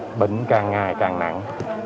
là bệnh càng ngày càng nặng